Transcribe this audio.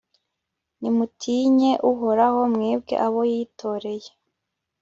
nimutinye uhoraho, mwebwe abo yitoreye